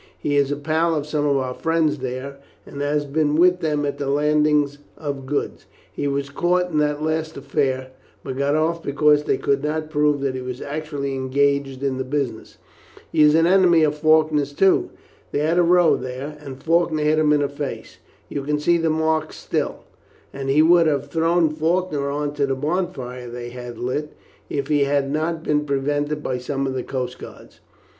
He is a pal of some of our friends there, and has been with them at the landings of goods. He was caught in that last affair, but got off because they could not prove that he was actually engaged in the business. He is an enemy of Faulkner's too; they had a row there, and Faulkner hit him in the face. You can see the mark still; and he would have thrown Faulkner on to the bonfire they had lit if he had not been prevented by some of the coast guards.